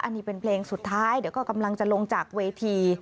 อันนี้เป็นเพลงสุดท้ายเดี๋ยวก็กำลังจะลงจากเวที